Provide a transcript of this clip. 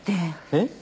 えっ？